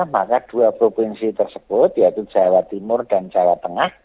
maka dua provinsi tersebut yaitu jawa timur dan jawa tengah